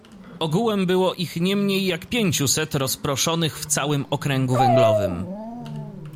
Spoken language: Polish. "Ogółem było ich nie mniej, jak pięciuset, rozproszonych w całym okręgu węglowym."